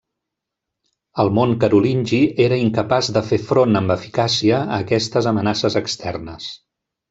El món carolingi era incapaç de fer front amb eficàcia a aquestes amenaces externes.